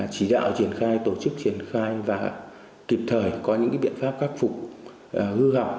chỉ đạo triển khai tổ chức triển khai và kịp thời có những biện pháp khắc phục hư hỏng